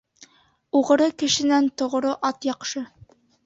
Уғры кешенән тоғро ат яҡшы.